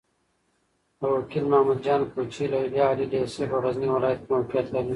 د وکيل محمد جان کوچي ليليه عالي لېسه په غزني ولايت کې موقعيت لري.